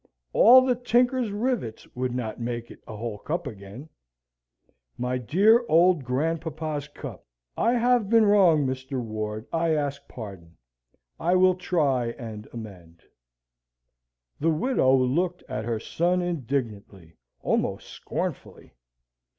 All the tinkers' rivets would not make it a whole cup again. My dear old grandpapa's cup! I have been wrong. Mr. Ward, I ask pardon. I will try and amend." The widow looked at her son indignantly, almost scornfully.